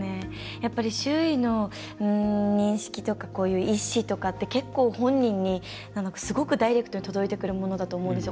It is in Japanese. やっぱり周囲の認識とかこういう意思とかって結構本人にすごくダイレクトに届いてくるものだと思うんですよ。